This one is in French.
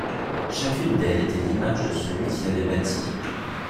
Chacune d’elles était l’image de celui qui l’avait bâtie.